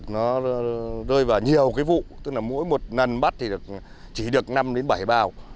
nó rơi vào nhiều cái vụ tức là mỗi một lần bắt thì chỉ được năm đến bảy bào